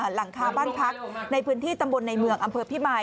หลังคาบ้านพักในพื้นที่ตำบลในเมืองอำเภอพิมาย